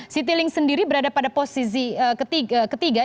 citylink sendiri berada pada posisi ketiga